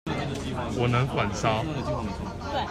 我能反殺